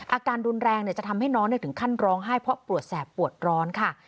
อาการรุนแรงจะทำให้น้องถึงขั้นร้องไห้เพราะปวดแสบปวดร้อนค่ะ